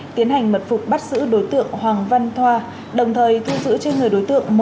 tiến hành mật phục bắt giữ đối tượng hoàng văn thoa đồng thời thu giữ trên người đối tượng